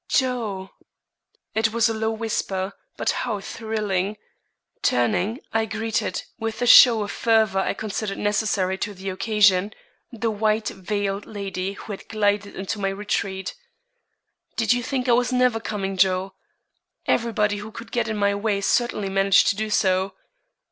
"Joe!" 'Twas a low whisper, but how thrilling! Turning, I greeted, with the show of fervor I considered necessary to the occasion, the white veiled lady who had glided into my retreat. "Did you think I was never coming, Joe? Everybody who could get in my way certainly managed to do so.